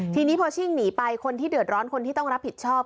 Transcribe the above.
ทีนี้พอชิ่งหนีไปคนที่เดือดร้อนคนที่ต้องรับผิดชอบ